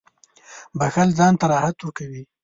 • بښل ځان ته راحت ورکوي.